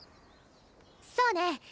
そうね。